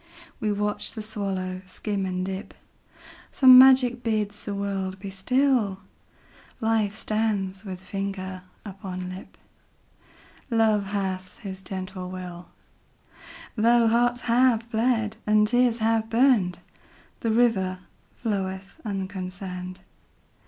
We watch the swallow skim and dip; Some magic bids the world be still; Life stands with finger upon lip; Love hath his gentle will; Though hearts have bled, and tears have burned, The river floweth unconcerned.